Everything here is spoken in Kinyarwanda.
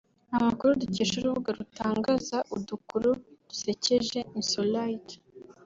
Amakuru dukesha urubuga rutangaza udukuru dusekeje(insolite)